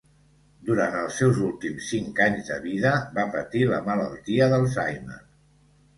Durant els seus últims cinc anys de vida va patir la malaltia d'Alzheimer.